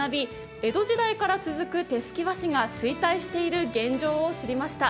江戸時代から続く手すき和紙が衰退している現状を知りました。